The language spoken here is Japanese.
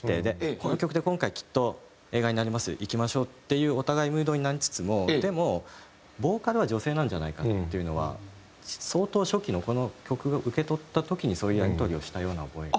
この曲で今回きっと映画になりますよいきましょうっていうお互いムードになりつつもでもボーカルは女性なんじゃないかっていうのは相当初期のこの曲を受け取った時にそういうやり取りをしたような覚えが。